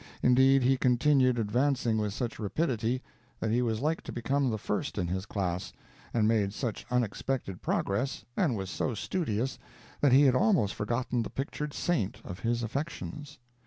Indeed, he continued advancing with such rapidity that he was like to become the first in his class, and made such unexpected progress, and was so studious, that he had almost forgotten the pictured saint of his affections.